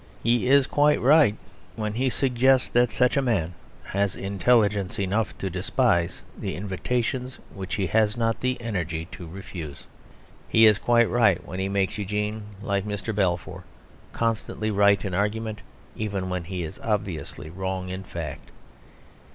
He is quite right when he suggests that such a man has intelligence enough to despise the invitations which he has not the energy to refuse. He is quite right when he makes Eugene (like Mr. Balfour) constantly right in argument even when he is obviously wrong in fact.